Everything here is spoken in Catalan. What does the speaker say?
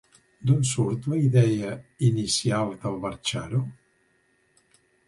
D'on surt la idea inicial del “Bar Charo”?